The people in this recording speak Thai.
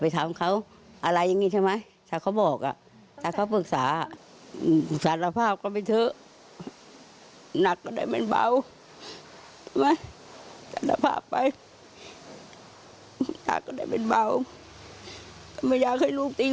ไม่อยากให้ลูกทิ้งคลุกฮึกลูกทำก็ไม่ได้บอกพ่อแม่